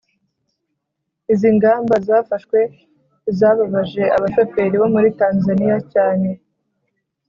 Izi ngamba zafashwe zababaje abashoferi bo muri Tanzaniya cyane